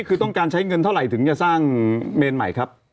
คือต้องการใช้เงินเท่าไหร่ถึงจะสร้างเมนใหม่ครับ